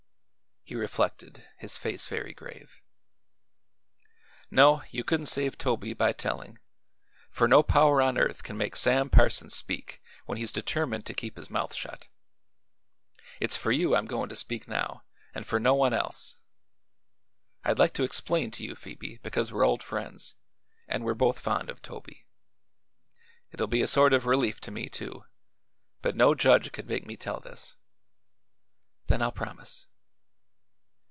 He reflected, his face very grave. "No; you couldn't save Toby by telling, for no power on earth can make Sam Parsons speak when he's determined to keep his mouth shut. It's for you I'm goin' to speak now, an' for no one else. I'd like to explain to you, Phoebe, because we're old friends, an' we're both fond of Toby. It'll be a sort of relief to me, too. But no judge could make me tell this." "Then I'll promise."